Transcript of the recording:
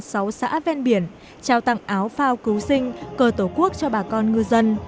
sáu xã ven biển trao tặng áo phao cứu sinh cờ tổ quốc cho bà con ngư dân